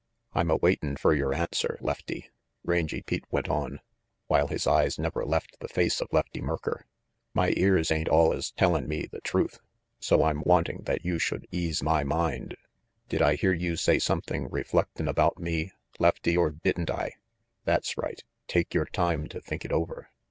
"I'm a waitin' fer your answer, Lefty," Rangy Pete went on, while his eyes never left the face of Lefty Merker. "My ears ain't allus tellin' me the truth, so I'm wanting that you should ease my mind. Did I hear you say something reflectin' about me, Lefty, er didn't I? That's right. Take your time to think it over.